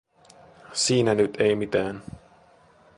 Siinä nyt ei mitään.